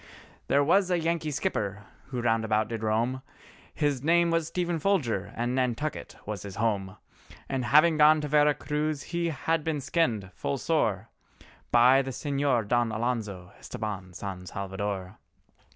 There was a Yankee skipper who round about did roam, His name was Stephen Folger and Nantucket was his home, And having gone to Vera Cruz he had been skinned full sore By the Señor Don Alonzo Estabán San Salvador.